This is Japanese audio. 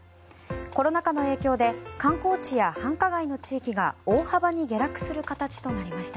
コロナ禍の影響で観光地や繁華街の地域が大幅に下落する形となりました。